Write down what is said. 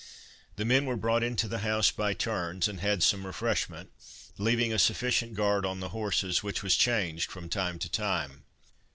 The men were brought into the house by turns, and had some refreshment, leaving a sufficient guard on the horses, which was changed from time to time.